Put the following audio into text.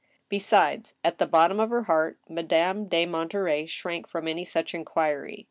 Besides, at the bottom of her heart, Madame de Monterey shrank from any such inquiry.